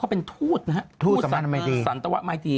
ก็เป็นทูตน่ะฮะทูตสันตวะไม่ดี